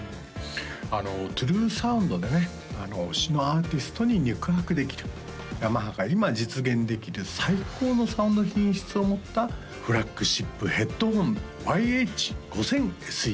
ＴｒｕｅＳｏｕｎｄでね推しのアーティストに肉薄できるヤマハが今実現できる最高のサウンド品質を持ったフラッグシップヘッドフォンＹＨ−５０００ＳＥ